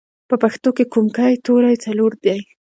په پښتو کې کومکی توری څلور دی